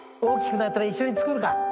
大きくなったら一緒に作るか。